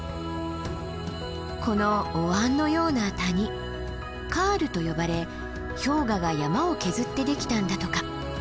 このおわんのような谷カールと呼ばれ氷河が山を削ってできたんだとか。